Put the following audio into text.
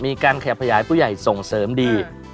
มีการขยับขยายผู้ใหญ่ส่งเสริมดี